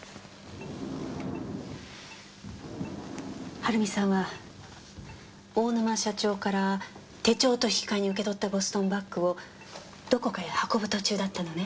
はるみさんは大沼社長から手帳と引き換えに受け取ったボストンバッグをどこかへ運ぶ途中だったのね？